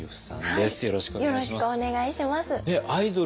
よろしくお願いします。